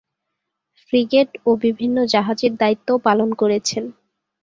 Frigate ও বিভিন্ন জাহাজের দায়িত্বও পালন করেছেন।